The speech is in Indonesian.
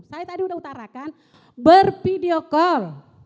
saya tadi udah utarakan bervideo call